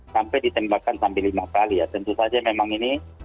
sampai ditembakkan sampai lima kali ya tentu saja memang ini